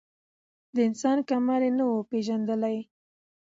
د انسان کمال یې نه وو پېژندلی